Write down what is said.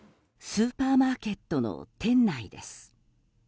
スーパーマーケットの店内です。